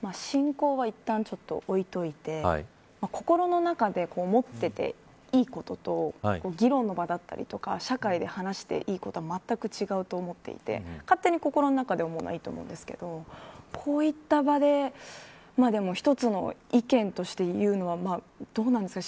信仰は、いったんちょっと置いといて心の中で思っていていいことと議論の場だったりとか社会で話していいことはまったく違うと思っていて勝手に心の中で思うのはいいと思うんですけどこういった場で一つの意見として言うのはどうなんですか。